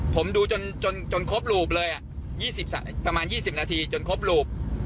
ผมดูจนครบรูปเลยประมาณ๒๐นาทีจนครบรูป